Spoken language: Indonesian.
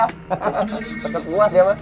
peset kuah dia mah